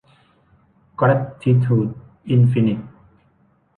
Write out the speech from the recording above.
แกรททิทูด อินฟินิท